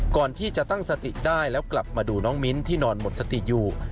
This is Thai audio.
ก่อนที่จะตั้งสติได้แล้วกลับมาดูน้องมิ้นที่นอนหมดสติอยู่